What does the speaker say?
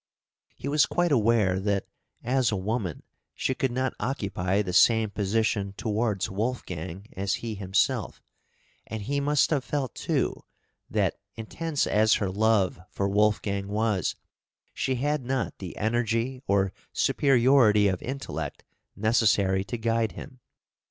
He was quite aware that, as a woman, she could not occupy the same position towards Wolfgang as he himself; and he must have felt, too, that intense as her love for Wolfgang was, she had not the energy or superiority of intellect necessary to guide him.